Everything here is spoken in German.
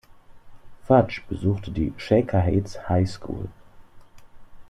Fudge besuchte die "Shaker Heights High School".